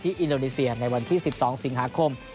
อินโดนีเซียในวันที่๑๒สิงหาคม